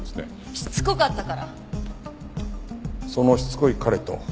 しつこかったから？